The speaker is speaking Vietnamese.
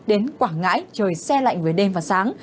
đến quảng ngãi trời xe lạnh với đêm và sáng